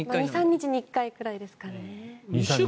２３日に１回くらいですかね。